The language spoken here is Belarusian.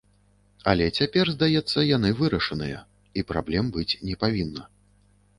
Але цяпер, здаецца, яны вырашаныя і праблем быць не павінна.